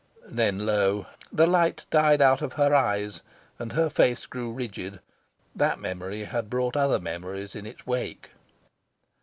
Then lo! the light died out of her eyes, and her face grew rigid. That memory had brought other memories in its wake.